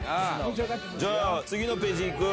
じゃあ次のページいく？